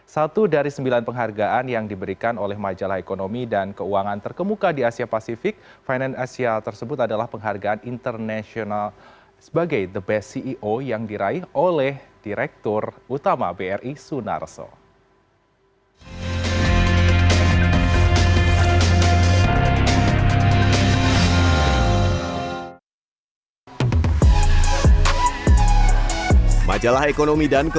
satu dari sembilan penghargaan yang diberikan oleh majalah ekonomi dan keuangan terkemuka di asia pasifik finance asia tersebut adalah penghargaan international sebagai the best ceo yang diraih oleh direktur utama bri sunar soe